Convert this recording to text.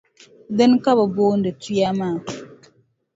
Dina ka bɛ booni tuya maa.